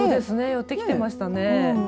寄って来ていましたね。